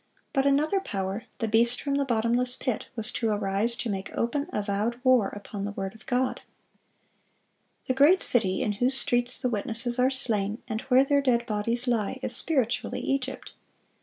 But another power—the beast from the bottomless pit—was to arise to make open, avowed war upon the word of God. The "great city" in whose streets the witnesses are slain, and where their dead bodies lie, "is spiritually Egypt."